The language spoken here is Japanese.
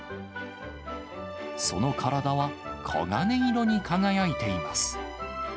その体は、黄金色に輝いています。